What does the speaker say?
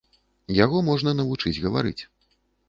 Яго можна навучыць гаварыць.